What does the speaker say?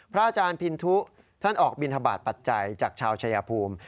อาจารย์พินทุท่านออกบินทบาทปัจจัยจากชาวชายภูมิ